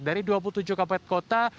dari dua puluh tujuh kabupaten kota